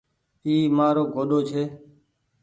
اي مآرو گوڏو ڇي۔